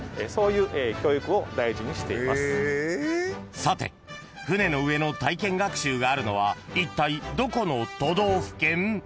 ［さて船の上の体験学習があるのはいったいどこの都道府県？］